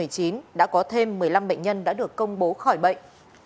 covid một mươi chín đã có thêm một mươi năm bệnh nhân đã được công bố khỏi bệnh